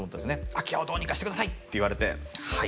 「空き家をどうにかしてください」って言われて「はい」。